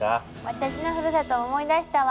私のふるさとを思い出したわ。